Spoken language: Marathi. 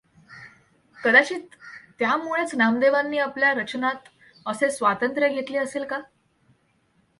कदाचित त्यामुळेच नामदेवांनी आपल्या रचनांत असे स्वातंत्र्य घेतले असेल का?